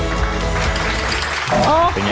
โอ้โหยั่วบดปลา